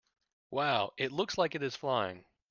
Wow! It looks like it is flying!